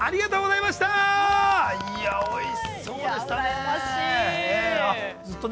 いや、おいしそうでしたね。